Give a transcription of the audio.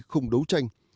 không đấu tranh